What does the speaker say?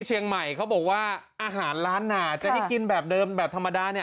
เชียงใหม่เขาบอกว่าอาหารล้านนาจะให้กินแบบเดิมแบบธรรมดาเนี่ย